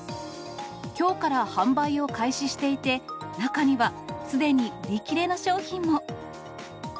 きょうから販売を開始していて、中には、すでに売り切れの商品も。